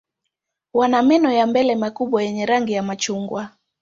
Wana meno ya mbele makubwa yenye rangi ya machungwa.